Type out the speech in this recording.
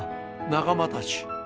仲間たち！